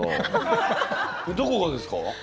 どこがですか？